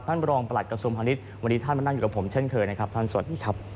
บรองประหลัดกระทรวงพาณิชย์วันนี้ท่านมานั่งอยู่กับผมเช่นเคยนะครับท่านสวัสดีครับ